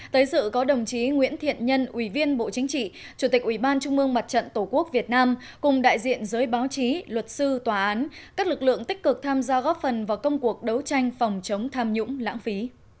tới dự có đồng chí nguyễn thiện nhân ủy viên bộ chính trị chủ tịch ủy ban trung mương mặt trận tổ quốc việt nam cùng đại diện giới báo chí luật sư tòa án các lực lượng tích cực tham gia góp phần vào công cuộc đấu tranh phòng chống tham nhũng lãng phí